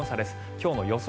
今日の予想